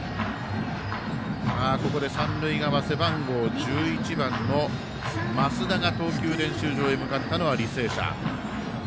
ここで三塁側、背番号１１番の増田が投球練習場へ向かったのは履正社。